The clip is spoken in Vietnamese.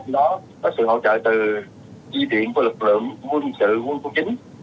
trong đó có sự hỗ trợ từ di chuyển của lực lượng quân sự quân phố chính